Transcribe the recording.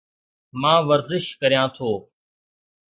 مان ورزش ڪريان ٿو